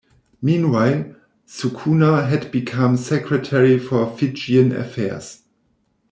Meanwhile, Sukuna had become Secretary for Fijian Affairs.